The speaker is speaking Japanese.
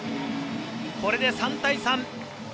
これで３対３。